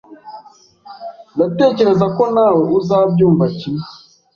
Ndatekereza ko nawe uzabyumva kimwe.